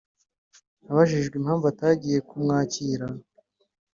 Abajijwe impamvu atagiye kumwakira